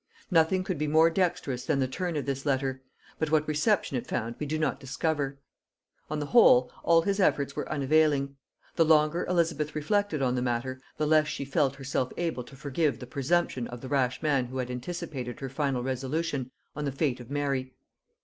Nothing could be more dexterous than the turn of this letter; but what reception it found we do not discover. On the whole, all his efforts were unavailing: the longer Elizabeth reflected on the matter, the less she felt herself able to forgive the presumption of the rash man who had anticipated her final resolution on the fate of Mary.